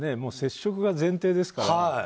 接触が前提ですからね。